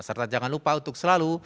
serta jangan lupa untuk selalu